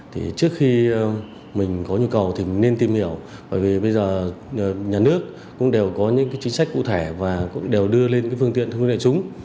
trước khi mình có nhu cầu thì mình nên tìm hiểu bởi vì bây giờ nhà nước cũng đều có những chính sách cụ thể và đều đưa lên phương tiện thông đại chúng